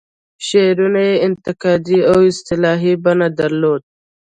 شعرونو یې انتقادي او اصلاحي بڼه درلوده.